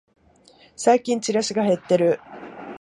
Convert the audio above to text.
最近チラシが減ってる